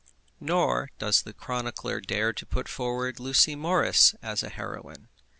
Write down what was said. Nor does the chronicler dare to put forward Lucy Morris as a heroine.